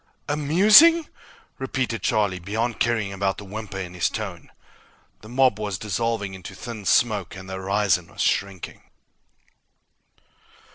"Amusing?" repeated Charlie, beyond caring about the whimper in his tone. The mob was dissolving into thin smoke, and the horizon was shrinking.